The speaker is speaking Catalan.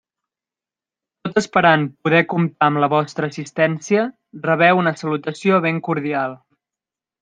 Tot esperant poder comptar amb la vostra assistència, rebeu una salutació ben cordial.